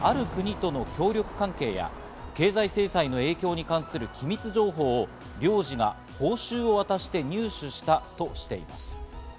ロシア連邦保安局はロシアと、ある国との協力関係や経済制裁の影響に関する機密情報を領事が報酬を渡して入手したとしています。